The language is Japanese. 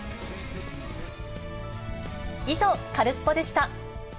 以上、カルスポっ！でした。